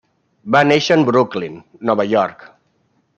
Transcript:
Va néixer en Brooklyn, Nova York.